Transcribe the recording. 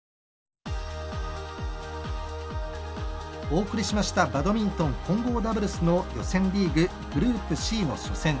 お送りしましたバドミントン混合ダブルスの予選リーググループＣの初戦。